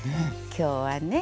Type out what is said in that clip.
今日はね